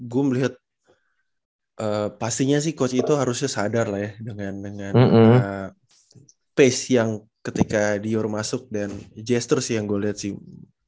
gue melihat pastinya sih coach itu harusnya sadar lah ya dengan pace yang ketika dior masuk dangester sih yang gue liat sih